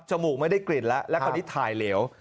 มูกไม่ได้กลิ่นแล้วแล้วคราวนี้ถ่ายเหลว